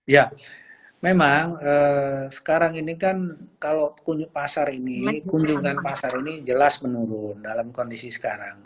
ya memang sekarang ini kan kalau pasar ini kunjungan pasar ini jelas menurun dalam kondisi sekarang